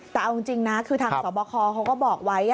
แต่เอาจริงนะคือทางสอบคอเขาก็บอกไว้